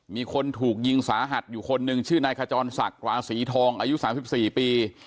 มีคนถูกยิงสาหัสอยู่คนหนึ่งชื่อนายขจรศักดิ์ราศีทองอายุ๓๔ปี